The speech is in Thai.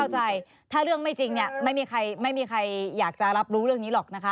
เข้าใจถ้าเรื่องไม่จริงเนี่ยไม่มีใครไม่มีใครอยากจะรับรู้เรื่องนี้หรอกนะคะ